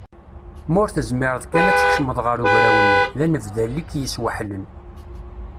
Ma ur tezmireḍ kan ad tkecmeḍ ɣer ugraw-nni, d anedbal i k-yesweḥlen.